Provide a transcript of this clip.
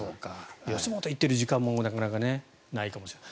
そうか、吉本行ってる時間もなかなかないかもしれない。